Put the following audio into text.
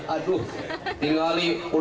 aduh tinggal urut potong model